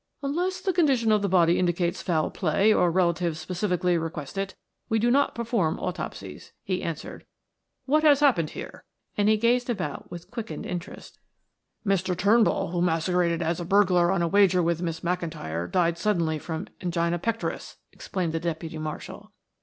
"Unless the condition of the body indicates foul play or the relatives specially request it, we do not perform autopsies," he answered. "What has happened here?" and he gazed about with quickened interest. "Mr. Turnbull, who masqueraded as a burglar on a wager with Miss McIntyre died suddenly from angina pectoris," explained the deputy marshal.